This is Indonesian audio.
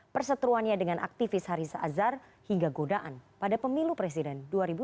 persetruannya dengan aktivis harissa azhar hingga godaan pada pemilu presiden dua ribu dua puluh empat